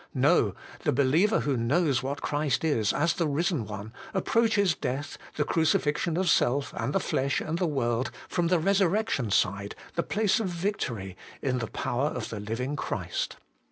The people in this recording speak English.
No, the believer who knows what Christ is as the Risen One, approaches death, the crucifixion of self and the flesh and the world, from the resurrection side, the place of victory, in the 188 HOLY IN CHRIST. power of the Living Christ.